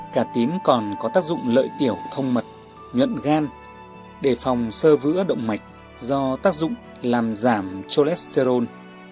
cà tím còn có tác dụng lợi tiểu thông mật nhuận gan đề phòng sơ vữa động mạch do tác dụng làm giảm cholesterol